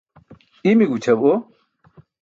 Imi gućʰabo.